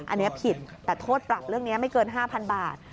อันนี้ผิดแต่โทษปรับเรื่องนี้ไม่เกิน๕๐๐๐บาท